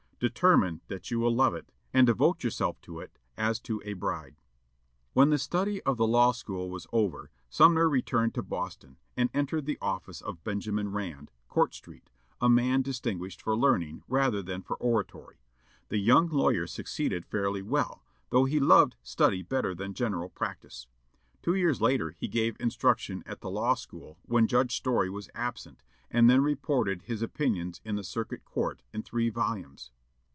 Determine that you will love it, and devote yourself to it as to a bride." When the study at the law school was over, Sumner returned to Boston, and entered the office of Benjamin Rand, Court Street, a man distinguished for learning rather than for oratory. The young lawyer succeeded fairly well, though he loved study better than general practice. Two years later he gave instruction at the law school when Judge Story was absent, and then reported his opinions in the Circuit Court, in three volumes.